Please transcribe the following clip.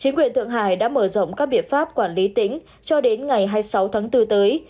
chính quyền thượng hải đã mở rộng các biện pháp quản lý tỉnh cho đến ngày hai mươi sáu tháng bốn tới